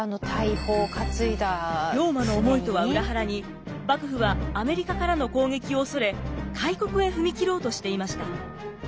龍馬の思いとは裏腹に幕府はアメリカからの攻撃を恐れ開国へ踏み切ろうとしていました。